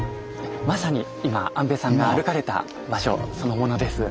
まさに今安部さんが歩かれた場所そのものです。